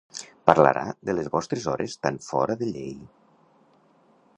Parlarà de les vostres hores tan fora de llei.